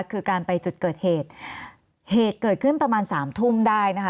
คือการไปจุดเกิดเหตุเหตุเกิดขึ้นประมาณสามทุ่มได้นะคะ